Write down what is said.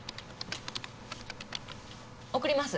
送ります。